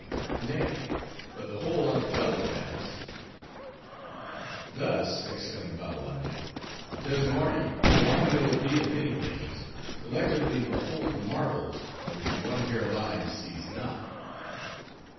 "Nay: but the whole Archipelago has." "Thus," exclaimed Babbalanja, "does Mardi, blind though it be in many things, collectively behold the marvels, which one pair of eyes sees not."